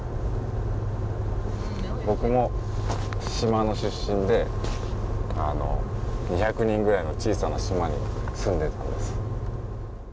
僕も島の出身で２００人ぐらいの小さな島に住んでたんです。